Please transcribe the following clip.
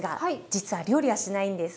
実は料理はしないんです。